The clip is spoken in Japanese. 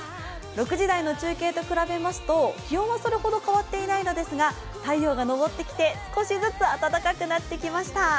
６時台の中継と比べますと、気温はそれほど変わっていないので、太陽が昇ってきて少しずつ暖かくなってきました。